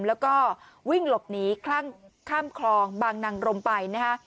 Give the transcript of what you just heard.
แล้วก็วิ่งหลบหนีข้ามคลองบางนางรมไปนะฮะ